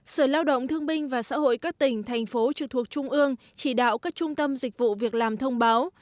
sở lao động thương binh và xã hội các tỉnh thành phố trực thuộc trung ương chỉ đạo các trung tâm dịch vụ việc làm thông báo